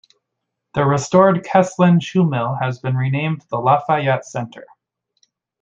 The restored Kesslen Shoe Mill has been renamed the Lafayette Center.